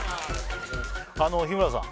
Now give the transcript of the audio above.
あの日村さん